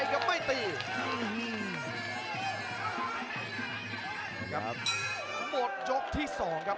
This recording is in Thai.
ประเภทมัยยังอย่างปักส่วนขวา